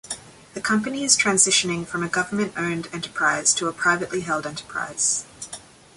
The company is transitioning from a government-owned enterprise to a privately held enterprise.